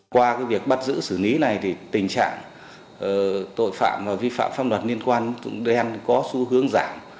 qua việc bắt giữ xử lý này thì tình trạng tội phạm và vi phạm pháp luật liên quan đến tín dụng đen có xu hướng giảm